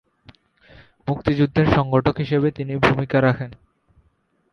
মুক্তিযুদ্ধের সংগঠক হিসেবে তিনি ভূমিকা রাখেন।